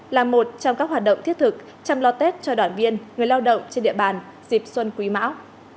là một trong các hoạt động thiết thực chăm lo tết cho đoàn viên người lao động trên địa bàn dịp xuân quý mão